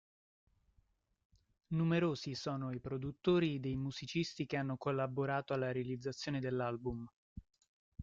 Numerosi sono i produttori ed i musicisti che hanno collaborato alla realizzazione dell'album.